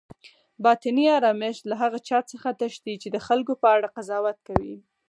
باطني آرامښت له هغه چا څخه تښتي چی د خلکو په اړه قضاوت کوي